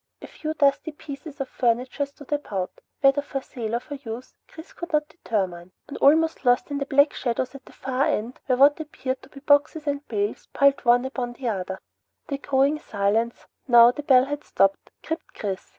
A few dusty pieces of furniture stood about, whether for sale or for use Chris could not determine, and almost lost in the black shadows at the far end were what appeared to be boxes and bales, piled one upon the other. The growing silence, now the bell had stopped, gripped Chris.